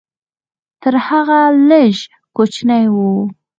تر هغه لږ کوچنی و.